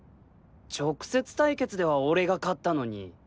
直接対決では俺が勝ったのに。